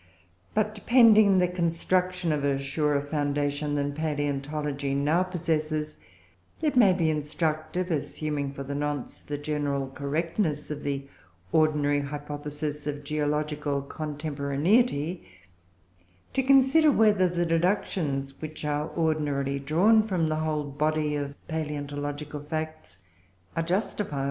But, pending the construction of a surer foundation than palaeontology now possesses, it may be instructive, assuming for the nonce the general correctness of the ordinary hypothesis of geological contemporaneity, to consider whether the deductions which are ordinarily drawn from the whole body of palaeontological facts are justifiable.